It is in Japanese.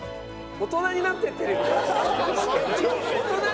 大人になっていってる。